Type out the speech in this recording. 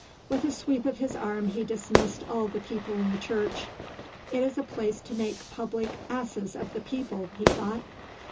With a sweep of his arm he dismissed all the people in the church. "It is a place to make public asses of the people," he thought.